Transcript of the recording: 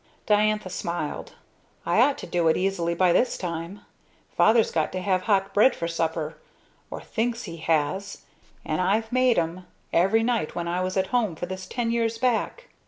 Diantha smiled. "I ought to do it easily by this time. Father's got to have hot bread for supper or thinks he has! and I've made 'em every night when I was at home for this ten years back!"